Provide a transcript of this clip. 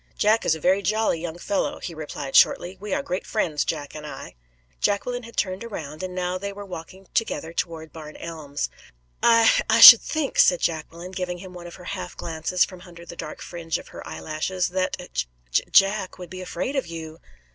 "Jack is a very jolly young fellow," he replied, shortly. "We are great friends, Jack and I." Jacqueline had turned around, and they were now walking together toward Barn Elms. "I I should think," said Jacqueline, giving him one of her half glances from under the dark fringe of her eyelashes "that J Jack would be afraid of you."